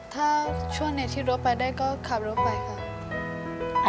ถ้าช่วงไหนที่รถไปได้ก็ขับรถไปค่ะ